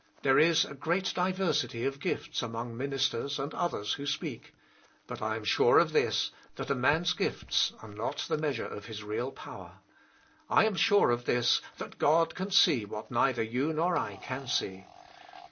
There is a great diversity of gifts amongst ministers and others who^ speak ; but I am sure of this, that a man's gifts are not the measure of his real power. I am sure of this, that God can see what neither you nor I can see.